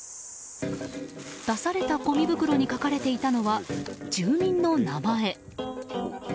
出されたごみ袋に書かれていたのは住民の名前。